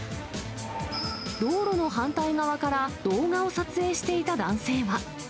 道路の反対側から動画を撮影していた男性は。